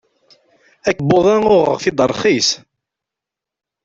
Akebbuḍ-a uɣeɣ-t-id rxis.